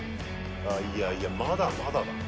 いやいやまだまだだな。